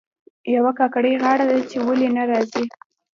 یوه کاکړۍ غاړه ده چې ولې نه راځي.